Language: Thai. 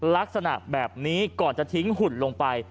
ลักษณะแบบนี้ก่อนจะทิ้งหุ่นลงไป